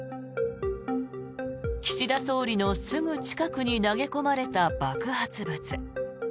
岸田総理のすぐ近くに投げ込まれた爆発物。